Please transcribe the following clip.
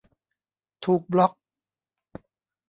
ถูกบล็อค